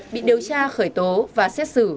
bị điều tra khởi tố và xét xử